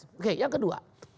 oke yang kedua